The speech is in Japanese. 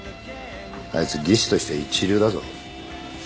あいつ技師としては一流だぞ。